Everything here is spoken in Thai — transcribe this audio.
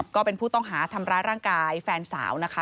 ก็เป็นผู้ต้องหาทำร้ายร่างกายแฟนสาวนะคะ